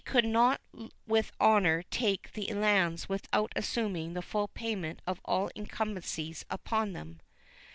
We could not with honor take the lands without assuming the full payment of all incumbencies upon them.